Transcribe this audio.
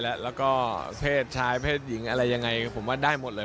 แล้วก็เพศชายเพศหญิงอะไรยังไงผมว่าได้หมดเลย